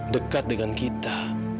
dekat dengan kita